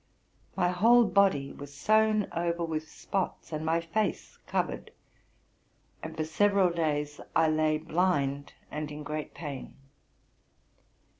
My whole body was sown over with spots, and my face covered; and for several days I lay blind and in great pain.